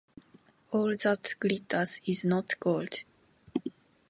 “All that glitters is not gold.”